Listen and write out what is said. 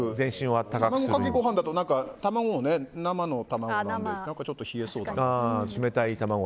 卵かけご飯だと生の卵でちょっと冷えそうだなと。